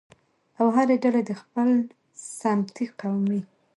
او هرې ډلې د خپل سمتي، قومي